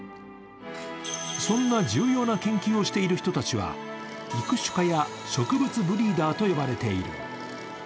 そんな重要な研究をしている人たちは育種家や植物ブリーダーと呼ばれている。